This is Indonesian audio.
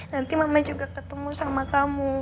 nanti mama juga ketemu sama kamu